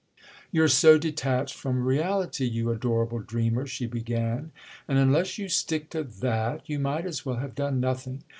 "You're so detached from reality, you adorable dreamer," she began—"and unless you stick to that you might as well have done nothing.